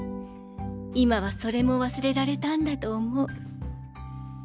今はそれも忘れられたんだと思う。